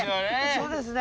そうですね。